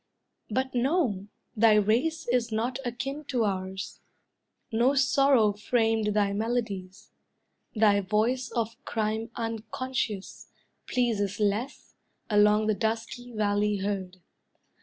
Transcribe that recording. But, no, thy race is not akin to ours; No sorrow framed thy melodies; Thy voice of crime unconscious, pleases less, Along the dusky valley heard.